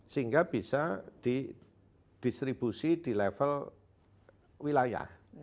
sehingga bisa didistribusi di level wilayah